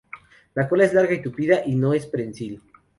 La cola es larga y tupida y no es prensil.